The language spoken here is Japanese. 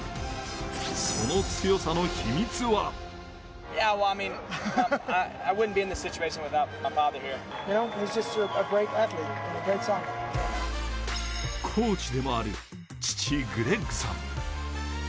その強さの秘密はコーチでもある父・グレッグさん。